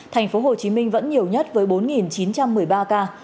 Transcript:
tp hcm vẫn nhiều nhất với bốn chín trăm một mươi ba ca